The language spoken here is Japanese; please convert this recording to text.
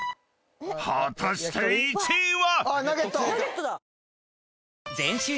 ［果たして１位は⁉］